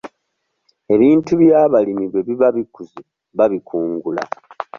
Ebintu by'abalimi bwe biba bikuze, babikungula.